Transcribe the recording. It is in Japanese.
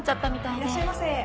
・いらっしゃいませ。